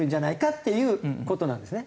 っていう事なんですね。